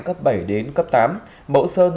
cấp bảy đến cấp tám mẫu sơn